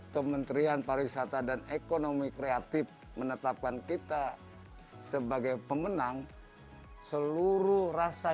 kementerian pariwisata dan ekonomi kreatif menetapkan kita sebagai pemenang seluruh rasa